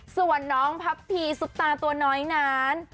ส่วนน้องพับพีซุปตาตัวน้อยนั้น